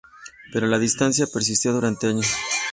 Pero la distancia persistió durante años.